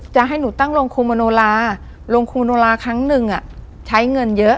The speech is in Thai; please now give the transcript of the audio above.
จะให้หนูตั้งโรงครูมโนลาโรงครูโนลาครั้งหนึ่งใช้เงินเยอะ